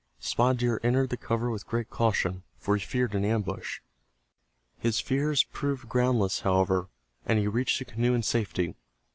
Spotted Deer entered the cover with great caution, for he feared an ambush. His fears proved groundless, however, and he reached the canoe in safety.